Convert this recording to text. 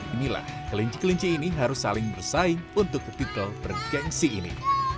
inilah kelinci kelinci ini harus saling bersaing untuk tipikal bergensi ini